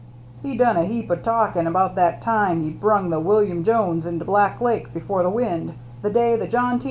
He done a heap o' talkin' about that time he brung the William Jones into Black Lake before the wind, the day the John T.